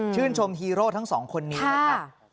ชื่นชมฮีโร่ทั้งสองคนนี้นะคะ